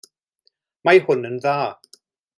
Mae hwn yn dda.